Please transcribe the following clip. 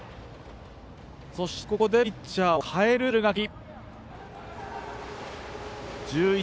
そして、ここでピッチャーを代える敦賀気比。